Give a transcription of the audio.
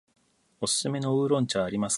おすすめの黒烏龍茶はありますか。